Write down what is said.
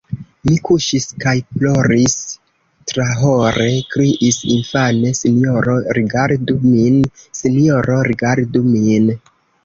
Mi kuŝis kaj ploris, trahore kriis infane: Sinjoro, rigardu min! Sinjoro, rigardu min!